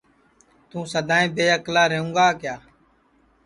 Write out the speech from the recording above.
توں سدائیں بے اکلا رہوں گا کیا